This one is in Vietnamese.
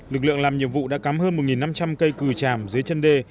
lực lượng làm nhiệm vụ đã cắm hơn một năm trăm linh cây cừu tràm dưới chân đê